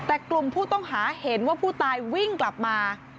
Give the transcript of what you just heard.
แต่กลุ่มผู้ต้องหาเห็นว่าผู้ตายวิ่งกลับมา